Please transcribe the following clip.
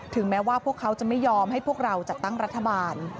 แม้ว่าพวกเขาจะไม่ยอมให้พวกเราจัดตั้งรัฐบาล